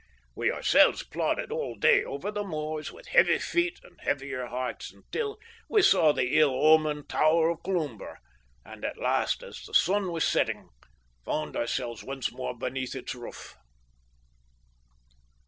We ourselves plodded all day over the moors with heavy feet and heavier hearts until we saw the ill omened tower of Cloomber, and at last, as the sun was setting, found ourselves once more beneath its roof.